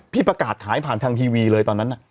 ประกาศขายผ่านทางทีวีเลยตอนนั้น